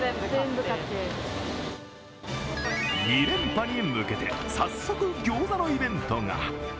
２連覇に向けて早速、ギョーザのイベントが。